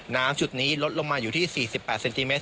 จุดนี้ลดลงมาอยู่ที่๔๘เซนติเมต